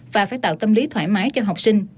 và phải tạo tâm lý thoải mái cho học sinh